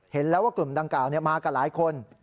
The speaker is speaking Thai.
เห็นแล้วว่ากลุ่มดังกล่าวมากับหลายคน